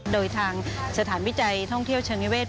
โดยทางสถานวิจัยท่องเที่ยวเชิงนิเวศ